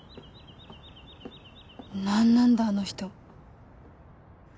何なんだあの人。